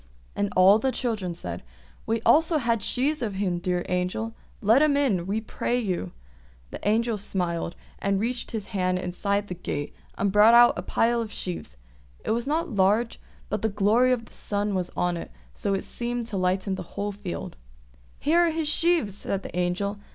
And all the children said, "We also had sheaves of him, dear Angel; let him in, we pray you!" The Angel smiled, and reached his hand inside the gate and brought out a pile of sheaves; it was not large, but the glory of the sun was on it, so that it seemed to lighten the whole field. "Here are his sheaves!" said the Angel.